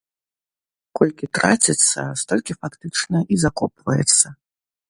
Колькі траціцца, столькі, фактычна, і закопваецца.